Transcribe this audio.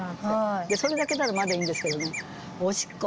それだけならまだいいんですけどねオシッコ。